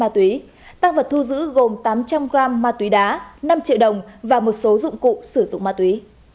tăng vật thu giữ gồm tám trăm linh g ma túy đá năm triệu đồng và một số dụng cụ sử dụng ma túy